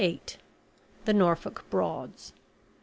VIII. THE NORFOLK BROADS.